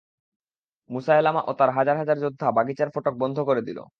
মুসায়লামা ও তার হাজার হাজার যোদ্ধা বাগিচার ফটক বন্ধ করে দিল।